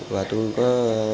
và tôi có